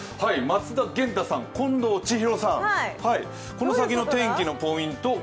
松田元太さん、近藤千尋さん、この先の天気のポイント